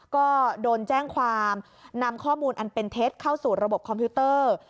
ก็โดนแจ้งความนำข้อมูลอันเป็นเท็จเข้าสู่ระบบคอมพิวเตอร์